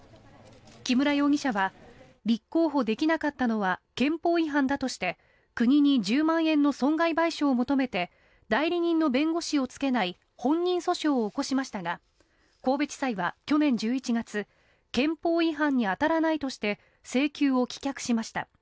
木村容疑者は立候補できなかったのは憲法違反だとして国に１０万円の損害賠償を求めて代理人の弁護士をつけない本人訴訟を起こしましたが神戸地裁は去年１１月憲法違反に当たらないとして請求を棄却しました。